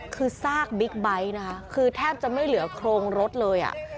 คือซากบิ๊กไบท์นะคะคือแทบจะไม่เหลือโครงรถเลยอ่ะ